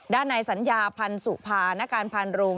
ด้านในสัญญาพันธุ์สุภาณการพรรณโรง